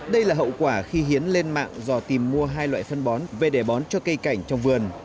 đây là hậu quả khi hiến lên mạng do tìm mua hai loại phân bón về để bón cho cây cảnh trong vườn